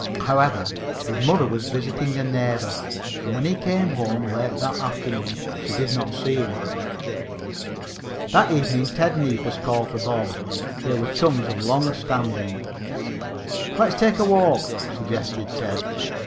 However, his mother was visiting a neighbor, and when he came home late that afternoon she did not see him. That evening Ted Neefus called for Bob. They were chums of long standing. "Let's take a walk," suggested Ted.